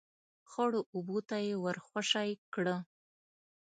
، خړو اوبو ته يې ور خوشی کړه.